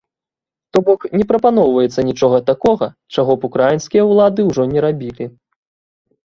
То бок не прапаноўваецца нічога такога, чаго б украінскія ўлады ўжо не рабілі.